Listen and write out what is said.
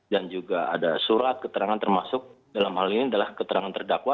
dan juga ada surat keterangan termasuk dalam hal ini adalah keterangan terdakwa